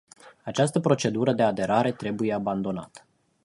Această procedură de aderare trebuie abandonată.